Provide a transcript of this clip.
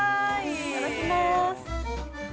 ◆いただきます。